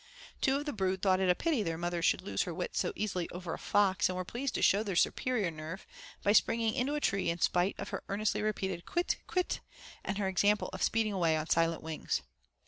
Two of the brood thought it a pity their mother should lose her wits so easily over a fox, and were pleased to show their superior nerve by springing into a tree in spite of her earnestly repeated 'Kwit! kwit!' and her example of speeding away on silent wings.